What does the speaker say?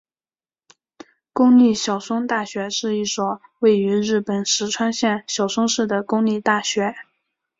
公立小松大学是一所位于日本石川县小松市的公立大学。